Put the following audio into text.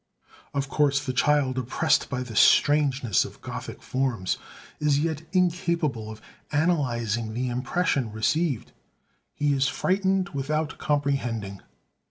Of course the child, oppressed by the strangeness of Gothic forms, is yet incapable of analyzing the impression received: he is frightened without comprehending.